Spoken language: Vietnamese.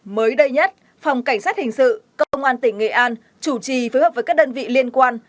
mới đây nhất phòng cảnh sát hình sự công an tỉnh nghệ an chủ trì phối hợp với các đơn vị liên quan